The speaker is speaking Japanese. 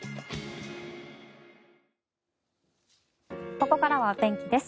ここからはお天気です。